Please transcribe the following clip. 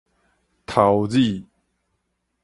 頭子